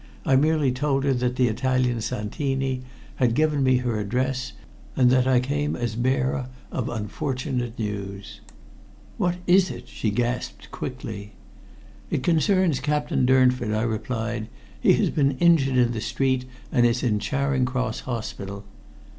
I merely told her that the Italian Santini had given me her address and that I came as bearer of unfortunate news. "What is it?" she gasped quickly. "It concerns Captain Durnford," I replied. "He has been injured in the street, and is in Charing Cross Hospital."